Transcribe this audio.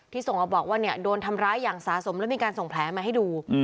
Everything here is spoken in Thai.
ส่งมาบอกว่าโดนทำร้ายอย่างสะสมแล้วมีการส่งแผลมาให้ดู